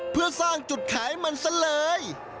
เพื่อสร้างจุดขายมันซะเลย